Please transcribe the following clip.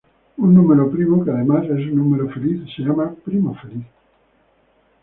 Un número primo que además es un número feliz se llama primo feliz.